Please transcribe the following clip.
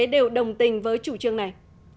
đều đồng tình với chủ trương này